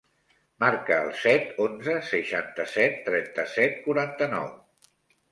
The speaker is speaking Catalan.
Marca el set, onze, seixanta-set, trenta-set, quaranta-nou.